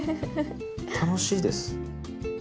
楽しいです。